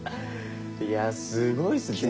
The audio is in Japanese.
いやすごいっす。